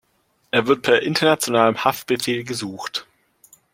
Er wird per internationalem Haftbefehl gesucht.